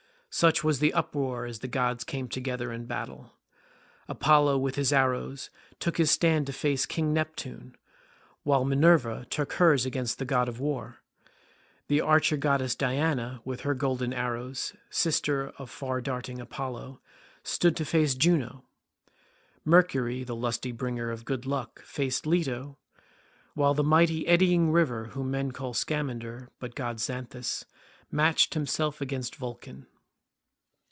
Such was the uproar as the gods came together in battle. Apollo with his arrows took his stand to face King Neptune, while Minerva took hers against the god of war; the archer goddess Diana with her golden arrows, sister of far darting Apollo, stood to face Juno; Mercury the lusty bringer of good luck faced Leto, while the mighty eddying river whom men can Scamander, but gods Xanthus, matched himself against Vulcan.